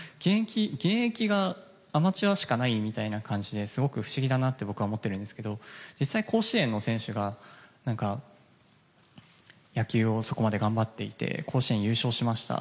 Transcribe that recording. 現役がアマチュアしかないみたいな感じですごく不思議だなって僕は思ってるんですけど実際、甲子園の選手が野球をそこまで頑張っていて甲子園優勝しました